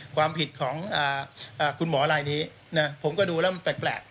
ความผิดของคุณหมอลายนี้ผมก็ดูแล้วมันแปลก